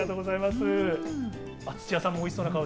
土屋さんもおいしそうな顔。